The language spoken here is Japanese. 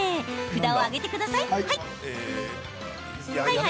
札を上げてください。